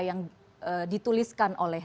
yang dituliskan oleh